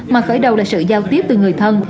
mà khởi đầu là sự giao tiếp từ người thân